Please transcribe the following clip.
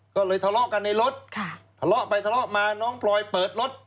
ก็เลยทะเลาะกันในรถทะเลาะไปทะเลาะมาน้องพลอยเปิดรถ